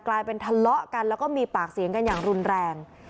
กลายเป็นทะเลาะกันแล้วก็มีปากเสียงกันอย่างรุนแรง